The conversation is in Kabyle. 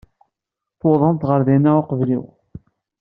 Tuwḍemt ɣer din uqbel-iw.